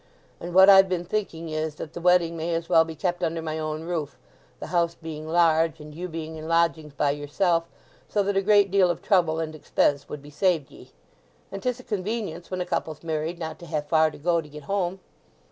"And what I've been thinking is that the wedding may as well be kept under my own roof, the house being large, and you being in lodgings by yourself—so that a great deal of trouble and expense would be saved ye?—and 'tis a convenience when a couple's married not to hae far to go to get home!"